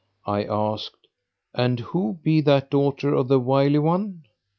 "[FN#531] I asked, "And who be that daughter of the Wily One?"